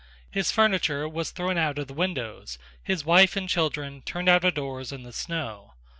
His furniture was thrown out of the windows; his wife and children turned out of doors in the snow.